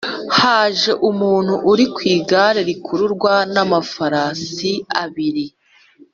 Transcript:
Haje umuntu uri ku igare rikururwa n’amafarasi abiri.»